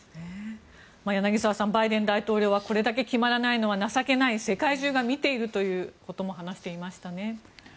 柳澤さんバイデン大統領はこれだけ決まらないのは情けない世界中が見ているということも話していましたね。